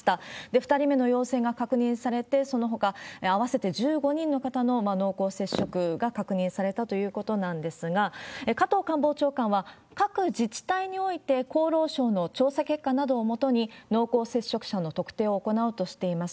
２人目の陽性が確認されて、そのほか、合わせて１５人の方の濃厚接触が確認されたということなんですが、加藤官房長官は、各自治体において厚労省の調査結果などをもとに、濃厚接触者の特定を行うとしています。